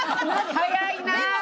早いなあ。